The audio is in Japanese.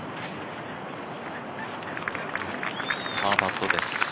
パーパットです。